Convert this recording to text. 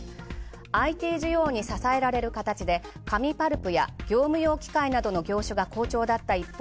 ＩＴ需要に支えられる形で紙パルプや業務用機械などが好調だった一方